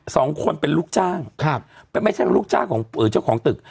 สองคนเป็นลูกจ้างครับไม่ใช่ลูกจ้างของเอ่อเจ้าของตึก